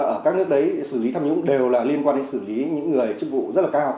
ở các nước đấy xử lý tham nhũng đều là liên quan đến xử lý những người chức vụ rất là cao